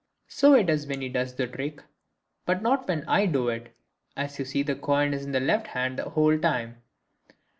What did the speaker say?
So it is when he does the trick, but not when I do it, as you see the coin is in the left hand the whole of the time."